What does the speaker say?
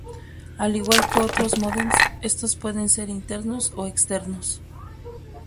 Al igual que otros módems, estos pueden ser internos o externos.